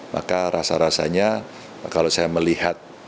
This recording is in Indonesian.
maka rasa rasanya kalau saya melihat